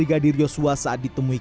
brigadir yosua saat ditemui